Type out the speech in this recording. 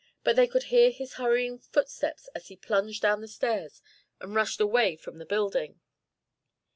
But they could hear his hurrying footsteps as he plunged down the stairs and rushed away from the building.